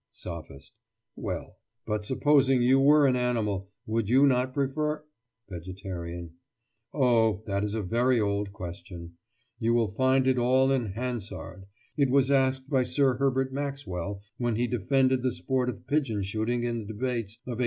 SOPHIST: Well, but supposing you were an animal, would you not prefer—— VEGETARIAN: Oh, that is a very old question. You will find it all in Hansard. It was asked by Sir Herbert Maxwell when he defended the sport of pigeon shooting in the Debates of 1883.